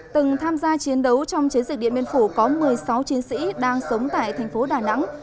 từng tham gia chiến đấu trong chiến dịch điện biên phủ có một mươi sáu chiến sĩ đang sống tại thành phố đà nẵng